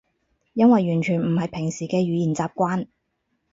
因為完全唔係平時嘅語言習慣